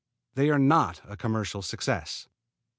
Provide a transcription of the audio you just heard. _They are not a commercial success.